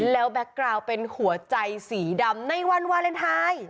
แล้วแก๊กกราวเป็นหัวใจสีดำในวันวาเลนไทย